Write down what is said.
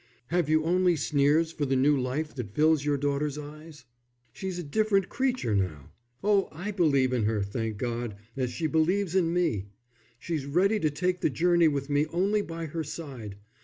"Have you only sneers for the new life that fills your daughter's eyes? She's a different creature now. Oh, I believe in her, thank God, as she believes in me! She's ready to take the journey with me only by her side.